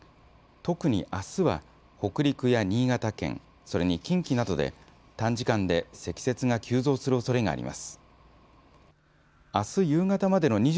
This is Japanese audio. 特に、あすは北陸や新潟県それに近畿などで短時間で積雪が急増するおそれがあります。